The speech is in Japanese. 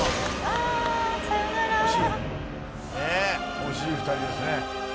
惜しい２人ですね。